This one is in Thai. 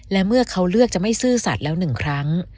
และเมื่อเขาเลือกจะไม่ซสล์ชแล้ว๑ครั้ง